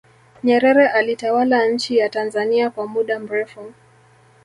nyerere alitawala nchi ya tanzania kwa muda mrefu